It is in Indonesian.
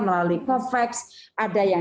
melalui covax ada yang